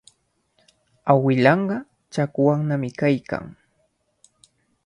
Awilanqa chakwannami kaykan.